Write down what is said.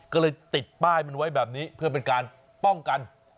ก็เลยติดป้ายมันไว้แบบนี้เพื่อเป็นการป้องกัน